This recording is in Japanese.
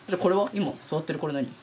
今座ってるこれ何？